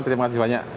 terima kasih banyak